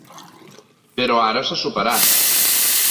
Però ara s'ha superat.